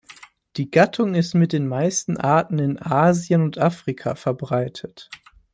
Die Gattung ist mit den meisten Arten in Asien und Afrika verbreitet.